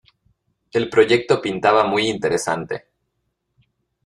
El proyecto pintaba muy interesante.